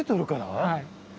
はい。